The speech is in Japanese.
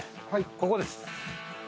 ここです。